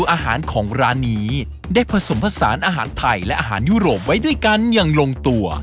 อาหารของร้านนี้ได้ผสมผสานอาหารไทยและอาหารยุโรปไว้ด้วยกันอย่างลงตัว